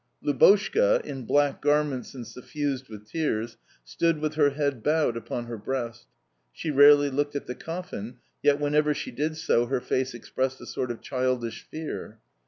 Lubotshka, in black garments and suffused with tears, stood with her head bowed upon her breast. She rarely looked at the coffin, yet whenever she did so her face expressed a sort of childish fear.